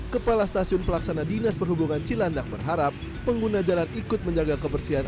kepala stasiun pelaksana dinas perhubungan cilandak berharap pengguna jalan ikut menjaga kebersihan